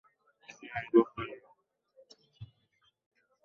এখানে আধুনিক rail line, station building, আধুনিক সিগন্যালিং সিস্টেম নির্মাণ করা হচ্ছে।